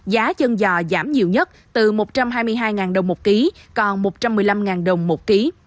giá chân giò giảm nhiều nhất từ một trăm hai mươi hai đồng một ký còn một trăm một mươi năm đồng một ký